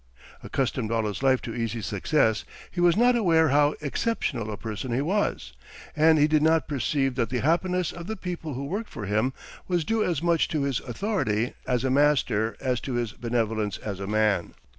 Accustomed all his life to easy success, he was not aware how exceptional a person he was, and he did not perceive that the happiness of the people who worked for him was due as much to his authority as a master as to his benevolence as a man.